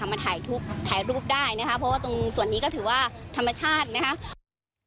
ทำมาถ่ายรูปได้นะครับเพราะว่าตรงส่วนนี้ก็ถือว่าธรรมชาตินะครับ